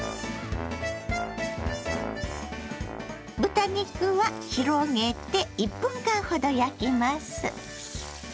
豚肉は広げて１分間ほど焼きます。